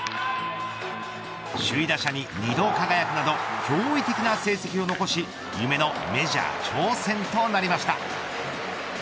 首位打者に２度輝くなど驚異的な成績を残し夢のメジャー挑戦となりました。